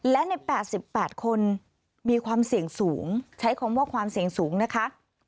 และใน๘๘คนมีความเสี่ยงสูงใช้คำว่าความเสี่ยงสูงนะคะ